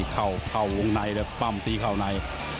เข้าในปั้มตีเข้าใน